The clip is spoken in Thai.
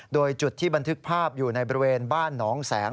โดยจุดที่บันทึกภาพอยู่ในบริเวณบ้านหนองแสง